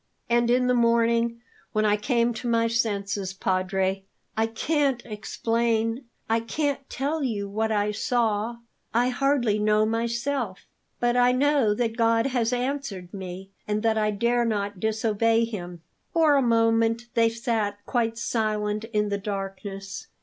And in the morning when I came to my senses Padre, it isn't any use; I can't explain. I can't tell you what I saw I hardly know myself. But I know that God has answered me, and that I dare not disobey Him." For a moment they sat quite silent in the darkness.